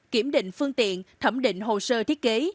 kiểm định phương tiện thẩm định hồ sơ thiết kế